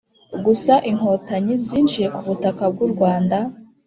gusa inkotanyi zinjiye ku butaka bw'u rwanda,